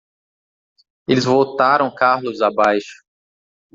Eles votaram Carlos abaixo!